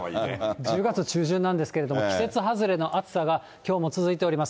１０月中旬なんですけど、季節外れの暑さがきょうも続いております。